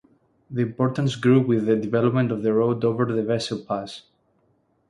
The importance grew with the development of the road over the Wechsel Pass.